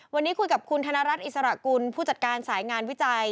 วันนี้คุยกับคุณธนรัฐอิสระกุลผู้จัดการสายงานวิจัย